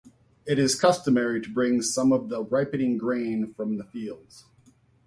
It is customary to bring some of the ripening grain from the fields.